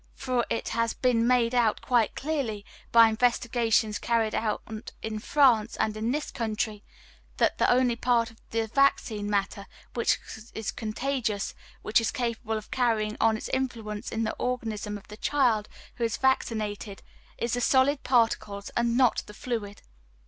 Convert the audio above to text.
For it has been made out quite clearly, by investigations carried on in France and in this country, that the only part of the vaccine matter which is contagious, which is capable of carrying on its influence in the organism of the child who is vaccinated, is the solid particles and not the fluid.